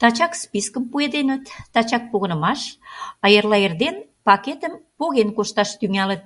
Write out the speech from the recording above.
Тачак спискым пуэденыт, тачак погынымаш, а эрла эрден пакетым поген кошташ тӱҥалыт.